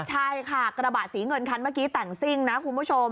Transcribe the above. ใช่ค่ะกระบะสีเงินคันเมื่อกี้แต่งซิ่งนะคุณผู้ชม